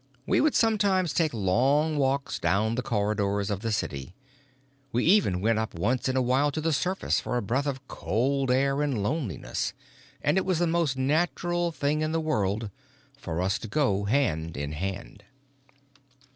We would sometimes take long walks down the corridors of the city, we even went up once in a while to the surface for a breath of cold air and loneliness, and it was the most natural thing in the world for us to go hand in hand.